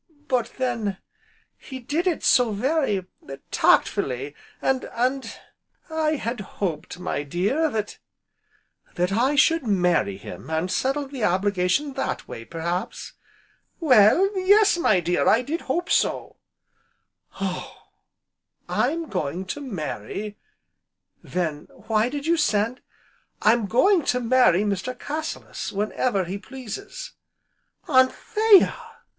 But then he did it so very tactfully, and and I had hoped, my dear that " "That I should marry him, and settle the obligation that way, perhaps?" "Well, yes my dear, I did hope so " "Oh! I'm going to marry " "Then why did you send " "I'm going to marry Mr. Cassilis whenever he pleases!" "Anthea!"